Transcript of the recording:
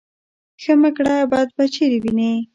ـ ښه مه کړه بد به چېرې وينې.